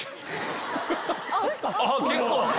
あっ結構。